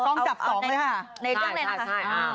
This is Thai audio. กล้องจับสองด้วยค่ะ